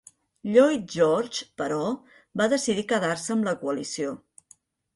Lloyd George, però, va decidir quedar-se amb la Coalició.